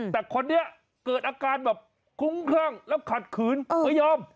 แต่คนนี้เกิดอาการแบบคุ้มครั่งแล้วขัดขืนไม่ยอม